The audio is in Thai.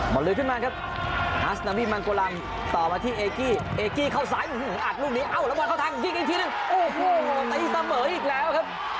ลุยขึ้นมาครับฮัสนาวี่มันโกลำต่อมาที่เอกกี้เอกกี้เข้าซ้ายอัดลูกนี้เอ้าแล้วบอลเข้าทางยิงอีกทีหนึ่งโอ้โหตีเสมออีกแล้วครับ